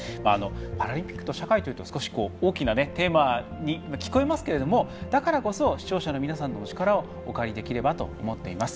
パラリンピックと社会というと少し大きなテーマに聞こえますけれどもだからこそ視聴者の皆さんの力をお借りできればと思っています。